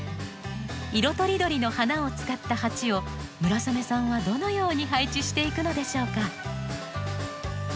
色とりどりの花を使った鉢を村雨さんはどのように配置していくのでしょうか？